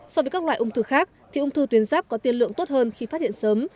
so với các loại ung thư khác thì ung thư tuyến giáp có tiên lượng tốt hơn khi phát hiện sớm